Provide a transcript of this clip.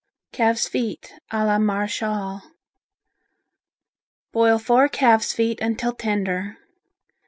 Calves' Feet a la Marechale Boil four calves' feet until tender.